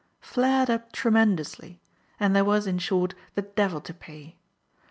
— flared up tremendously, and there was, in short, the devil to pay.